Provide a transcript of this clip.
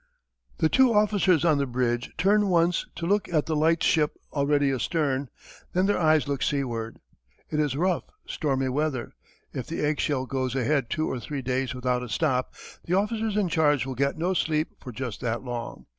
The two officers on the bridge turn once to look at the light ship already astern, then their eyes look seaward. It is rough, stormy weather. If the egg shell goes ahead two or three days without a stop, the officers in charge will get no sleep for just that long.